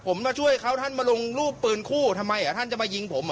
ผมมาช่วยเขาท่านมาลงรูปปืนคู่ทำไมอ่ะท่านจะมายิงผมอ่ะ